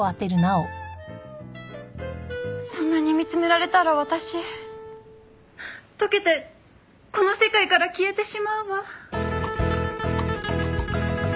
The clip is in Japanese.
そんなに見つめられたら私溶けてこの世界から消えてしまうわ。